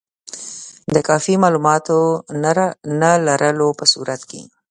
د کافي معلوماتو نه لرلو په صورت کې.